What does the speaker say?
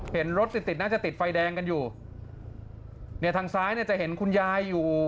เห็นรถติดติดน่าจะติดไฟแดงกันอยู่เนี่ยทางซ้ายเนี่ยจะเห็นคุณยายอยู่